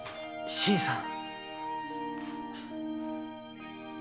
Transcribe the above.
新さん。